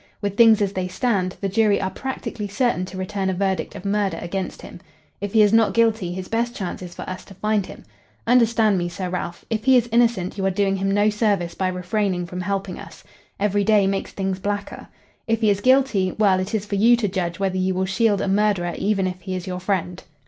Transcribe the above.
With things as they stand, the jury are practically certain to return a verdict of murder against him. If he is not guilty, his best chance is for us to find him. Understand me, Sir Ralph. If he is innocent you are doing him no service by refraining from helping us. Every day makes things blacker. If he is guilty well, it is for you to judge whether you will shield a murderer even if he is your friend."